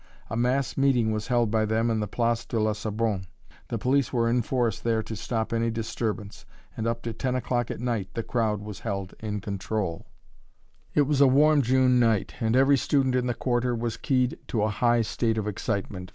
A mass meeting was held by them in the Place de la Sorbonne. The police were in force there to stop any disturbance, and up to 10 o'clock at night the crowd was held in control. [Illustration: (portrait of woman)] It was a warm June night, and every student in the Quarter was keyed to a high state of excitement.